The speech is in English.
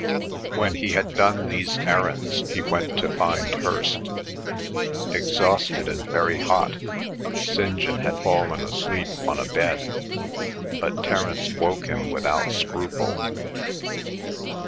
When he had done these errands he went to find Hirst. Exhausted and very hot, St. John had fallen asleep on a bed, but Terence woke him without scruple.